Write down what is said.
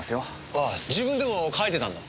ああ自分でも書いてたんだ？